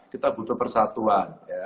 kita butuh persatuan